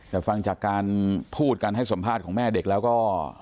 แต่ฟังจากการพูดการให้สัมภาษณ์ของแม่เด็กแล้วก็